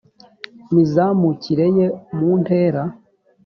mizamukire ye mu ntera